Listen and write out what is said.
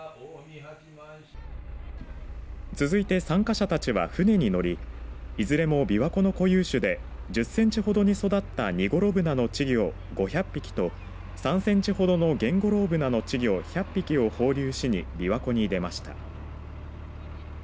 続いて参加者たちは船に乗りいずれもびわ湖の固有種で１０センチほどに育ったニゴロブナの稚魚５００匹と３センチほどのゲンゴロウブナの稚魚１００匹を放流しに、びわ湖に出ました。